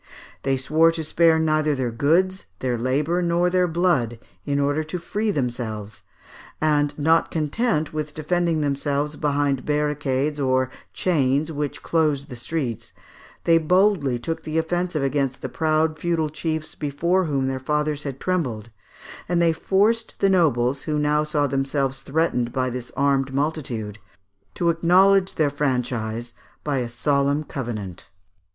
They swore to spare neither their goods, their labour, nor their blood, in order to free themselves; and not content with defending themselves behind barricades or chains which closed the streets, they boldly took the offensive against the proud feudal chiefs before whom their fathers had trembled, and they forced the nobles, who now saw themselves threatened by this armed multitude, to acknowledge their franchise by a solemn covenant.